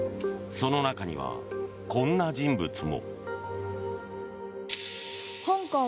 その中には、こんな人物も。